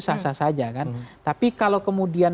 sah sah saja kan tapi kalau kemudian